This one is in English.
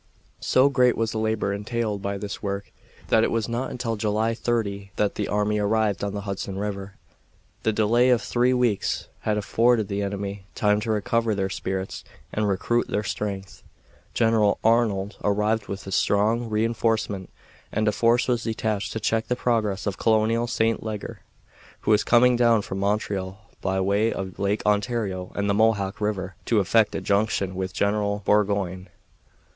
So great was the labor entailed by this work that it was not until July 30 that the army arrived on the Hudson River. The delay of three weeks had afforded the enemy time to recover their spirits and recruit their strength. General Arnold arrived with a strong re enforcement, and a force was detached to check the progress of Colonel St. Leger, who was coming down from Montreal by way of Lake Ontario and the Mohawk River to effect a junction with General Burgoyne.